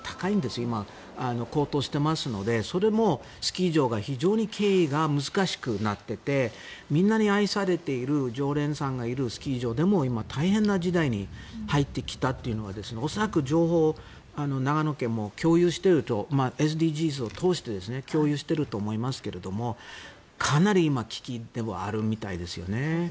今、高騰していますのでそれもスキー場が非常に経営が難しくなっていてみんなに愛されている常連さんがいるスキー場でも今、大変な時代に入ってきたというのは恐らく情報を長野県も共有しているとＳＤＧｓを通して共有していると思いますけどかなり今危機でもあるみたいですよね。